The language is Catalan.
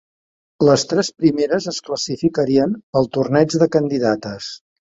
Les tres primeres es classificarien pel Torneig de Candidates.